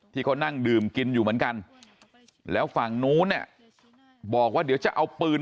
ที่เขานั่งดื่มกินอยู่เหมือนกันแล้วฝั่งนู้นเนี่ยบอกว่าเดี๋ยวจะเอาปืน